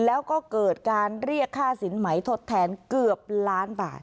แล้วก็เกิดการเรียกค่าสินไหมทดแทนเกือบล้านบาท